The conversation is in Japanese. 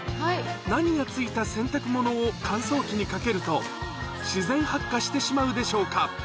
何がついた洗濯物を乾燥機にかけると、自然発火してしまうでしょ